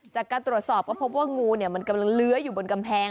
จากการตรวจสอบก็พบว่างูมันกำลังเลื้อยอยู่บนกำแพง